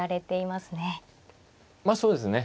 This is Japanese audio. まあそうですね。